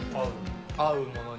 合うものに。